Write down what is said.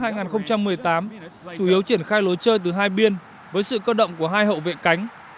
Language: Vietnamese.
năm hai nghìn một mươi tám chủ yếu triển khai lối chơi từ hai biên với sự cơ động của hai hậu vệ cánh